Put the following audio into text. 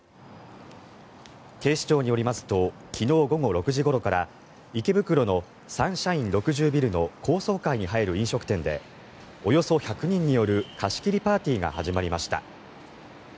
警視庁によりますと昨日午後６時ごろから池袋のサンシャイン６０ビルの高層階に入る飲食店でおよそ１００人による貸し切りパーティーが始まりました。